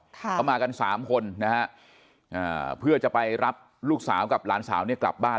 เขามากันสามคนนะฮะเพื่อจะไปรับลูกสาวกับหลานสาวเนี่ยกลับบ้าน